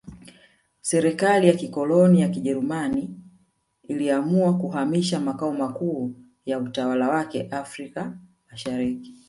Serikali ya kikoloni ya Kijerumani iliamua kuhamisha makao makuu ya utawala wake Afrika Mashariki